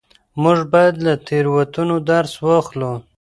موږ بايد له تېروتنو درس واخلو.